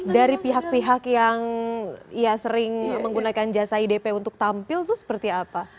dari pihak pihak yang ya sering menggunakan jasa idp untuk tampil itu seperti apa